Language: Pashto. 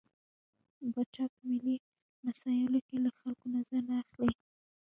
پاچا په ملي مسايلو کې له خلکو نظر نه اخلي.